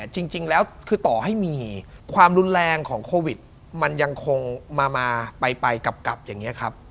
จริงแล้วคือต่อให้มีความรุนแรงของโควิดมันยังคงมาไปกลับอย่างนี้ครับ